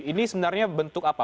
ini sebenarnya bentuk apa